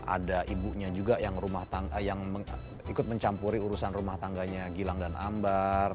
ada ibunya juga yang ikut mencampuri urusan rumah tangganya gilang dan ambar